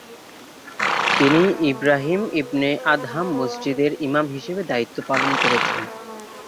তিনি Ibrahim ibn Adham মসজিদের ইমাম হিসেবে দায়িত্ব পালন করেছেন।